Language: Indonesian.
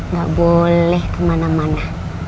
gak boleh kemana mana